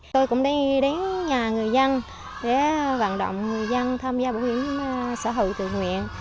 tôi cũng đi đến nhà người dân để vận động người dân tham gia bảo hiểm xã hội tự nguyện